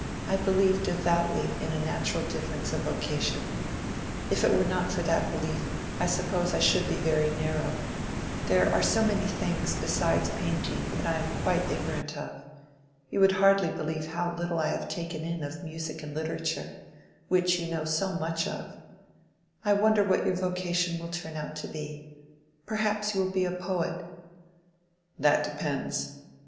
"I believe devoutly in a natural difference of vocation. If it were not for that belief, I suppose I should be very narrow—there are so many things, besides painting, that I am quite ignorant of. You would hardly believe how little I have taken in of music and literature, which you know so much of. I wonder what your vocation will turn out to be: perhaps you will be a poet?" "That depends.